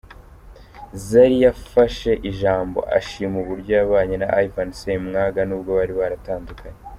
Zari yafashe ijambo ashima uburyo yabanye na Ivan Ssemwanga nubwo bari baratandukanye.